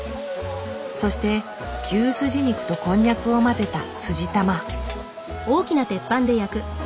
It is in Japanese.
そして牛すじ肉とこんにゃくを混ぜたすじ玉。